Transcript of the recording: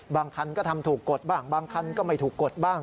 บางคันก็ทำถูกกดบ้างบางคันก็ไม่ถูกกดบ้าง